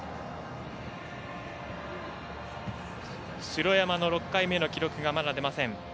城山の６回目の記録まだ出ません。